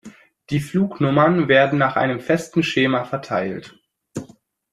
Die Flugnummern werden nach einem festen Schema verteilt.